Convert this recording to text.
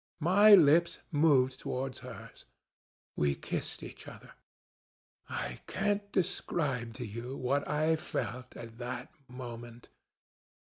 My lips moved towards hers. We kissed each other. I can't describe to you what I felt at that moment.